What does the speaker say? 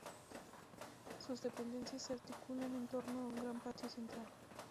Sus dependencias se articulan en torno a un gran patio central.